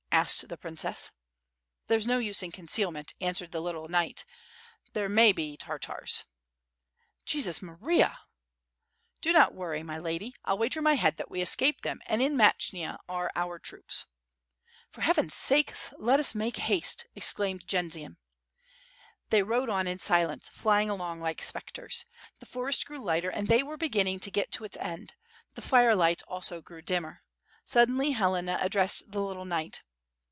asked the princess. "There's no use in concealment," answered the little knight, "they may be the Tartars." "Jesus Maria!" WITH FIRE AND SWORD. 677 "Do not worry my lady, I'll wager my head that we escape them; and in Matchyna are our troops." "For Heaven's sake! let us make haste," exclaimed Jcnd zian. They rode on in silence, flying along like spectres. The forest grew lighter, and they were beginning to get to its end; the fire light also grew dimmer. Suddenly Helena ad dressed the little knight.